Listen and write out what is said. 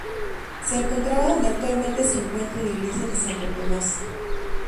Se encontraba donde actualmente se encuentra la iglesia de Santo Tomás.